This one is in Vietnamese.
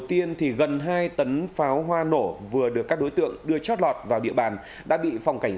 đầu tiên gần hai tấn pháo hoa nổ vừa được các đối tượng đưa chót lọt vào địa bàn đã bị phòng cảnh